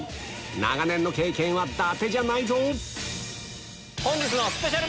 長年の経験はだてじゃないぞやった！